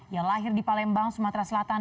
yang lahir di palembang sumatera selatan